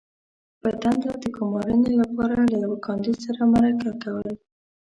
-په دندې د ګمارنې لپاره له یوه کاندید سره مرکه کول